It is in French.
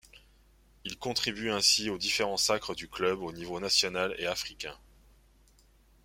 Il contribue ainsi aux différents sacres du club aux niveaux national et africain.